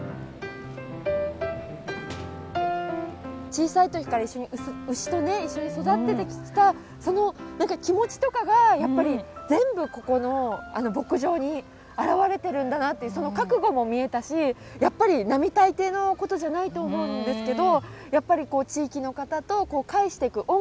小さい時から一緒に牛とね一緒に育ってきたその気持ちとかがやっぱり全部ここの牧場に表れてるんだなっていうその覚悟も見えたしやっぱり並大抵のことじゃないと思うんですけどやっぱり地域の方と返していく恩返ししていって。